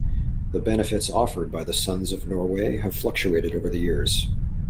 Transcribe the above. The benefits offered by the Sons of Norway have fluctuated over the years.